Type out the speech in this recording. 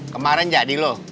kemaren jadi lo